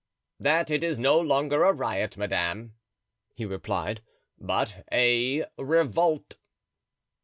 "That it is no longer a riot, madame," he replied, "but a revolt."